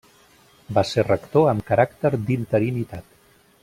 Va ser rector amb caràcter d'interinitat.